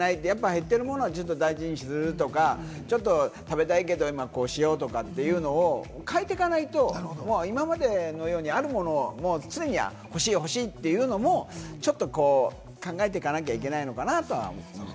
減っているものを大事にするとか、食べたいけど、こうしようとかっていうのを変えていかないと、今までのようにあるものを常に「欲しい欲しい」って言うのも、考えていかなきゃいけないのかなとは思うね。